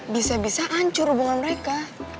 bisa bisa hancur hubungan mereka